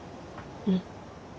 うん。